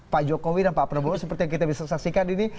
pak jokowi dan pak prabowo seperti yang kita bisa saksikan ini